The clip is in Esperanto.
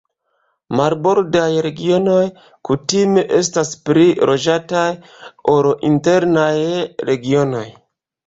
Marbordaj regionoj kutime estas pli loĝataj ol internaj regionoj.